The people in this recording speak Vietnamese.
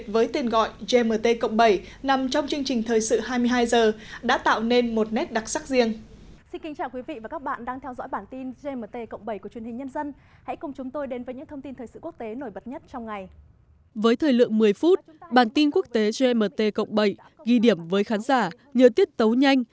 với thời lượng một mươi phút bản tin quốc tế gmt cộng bảy ghi điểm với khán giả như tiết tấu nhanh